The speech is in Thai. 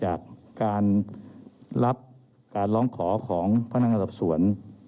เรามีการปิดบันทึกจับกลุ่มเขาหรือหลังเกิดเหตุแล้วเนี่ย